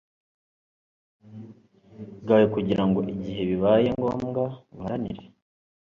bwawe kugira ngo igihe bibaye ngombwa ubuharanire